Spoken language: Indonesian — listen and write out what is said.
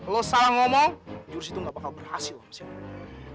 lo salah ngomong jurus itu gak bakal berhasil